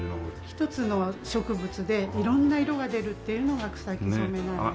１つの植物で色んな色が出るっていうのが草木染なんですね。